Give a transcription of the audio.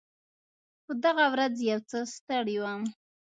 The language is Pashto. په دغه ورځ یو څه ستړی وم.